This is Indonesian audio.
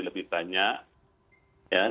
lebih banyak ya